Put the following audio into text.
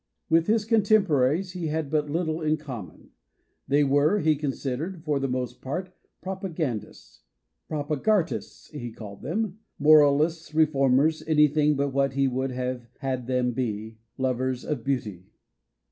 With his contemporaries he had but little in common. They were, he considered, for the most part propagandists "propagartists" he called them moralists, reformers, any thing but what he would have had them be, lovers of Beauty.